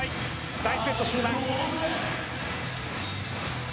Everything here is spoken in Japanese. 第１セット終盤。